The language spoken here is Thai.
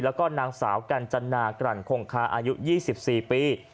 แล้วก็นางสาวกัญจนากรั่นคงคาอายุ๒๔ปี